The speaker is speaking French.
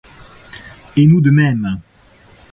Et nous de même.